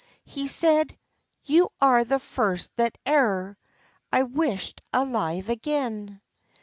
He said—"You are the first that e'er I wish'd alive again."